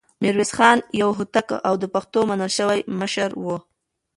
ميرويس خان يو هوتک او د پښتنو منل شوی مشر و.